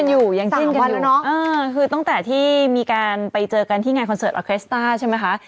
อยู่อย่างสิ้นวันแล้วเนอะเออคือตั้งแต่ที่มีการไปเจอกันที่งานคอนเสิร์ตออเคสต้าใช่ไหมคะ